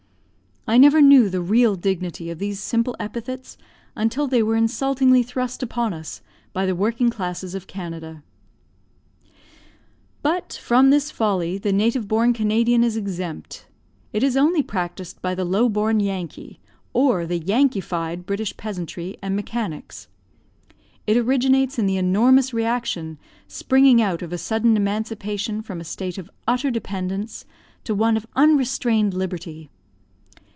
I never knew the real dignity of these simple epithets until they were insultingly thrust upon us by the working classes of Canada. But from this folly the native born Canadian is exempt; it is only practised by the low born Yankee, or the Yankeefied British peasantry and mechanics. It originates in the enormous reaction springing out of a sudden emancipation from a state of utter dependence to one of unrestrained liberty.